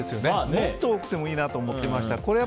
もっと多くてもいいなと思ってました。